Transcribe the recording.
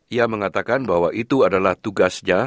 ia mengatakan bahwa itu adalah tugasnya